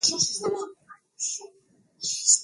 kuvuta kama sigara na kwa kuchoma kwenye mshipa